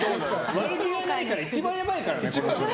悪気がないから一番やばいからねこの手の。